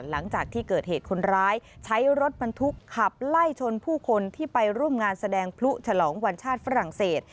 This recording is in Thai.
หลังจากที่เกิดเหตุคนร้ายใช้รถบรรทุกขับไล่ชนผู้คนที่ไปร่วมงานแสดงพลุฉลองวันชาติฝรั่งเศส